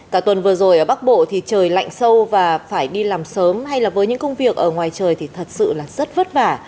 cả tuần vừa rồi ở bắc bộ thì trời lạnh sâu và phải đi làm sớm hay là với những công việc ở ngoài trời thì thật sự là rất vất vả